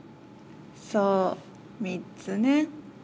『そう、３つね』